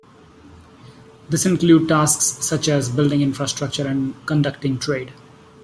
This includes tasks such as building infrastructure and conducting trade.